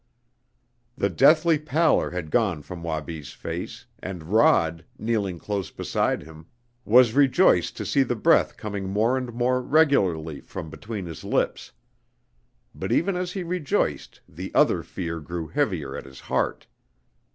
The deathly pallor had gone from Wabi's face, and Rod, kneeling close beside him, was rejoiced to see the breath coming more and more regularly from between his lips. But even as he rejoiced the other fear grew heavier at his heart.